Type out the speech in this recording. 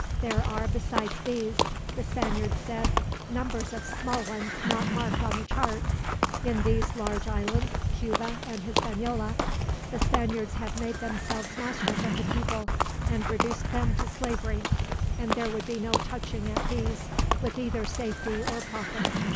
There are besides these, the Spaniard said, numbers of small ones not marked on the chart. In these large islands, Cuba and Hispaniola, the Spaniards have made themselves masters of the people, and reduced them to slavery; and there would be no touching at these with either safety or profit.